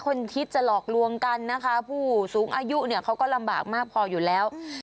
คิดจะหลอกลวงกันนะคะผู้สูงอายุเนี่ยเขาก็ลำบากมากพออยู่แล้ว